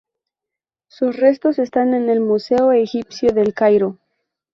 Sus restos están en el Museo Egipcio de El Cairo.